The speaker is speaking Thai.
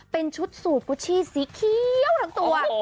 เป็นชุดสูตรกุชชี่สีเขียวทั้งตัว